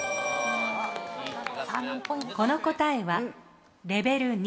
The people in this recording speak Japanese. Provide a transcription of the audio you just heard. この答えはレベル２。